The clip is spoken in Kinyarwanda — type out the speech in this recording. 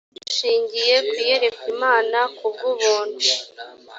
dushingiye ku iyerekwa imana ku bw ubuntu